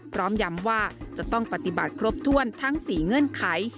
พร้อมย้ำว่าจะต้องปฏิบัติครบถ้วนทั้ง๔เงื่อนไข